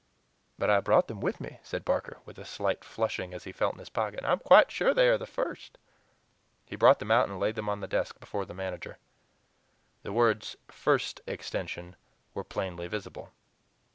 "But I brought them with me," said Barker, with a slight flushing as he felt in his pocket, "and I am quite sure they are the 'First'." He brought them out and laid them on the desk before the manager. The words "First Extension" were plainly visible.